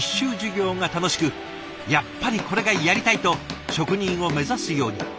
やっぱりこれがやりたいと職人を目指すように。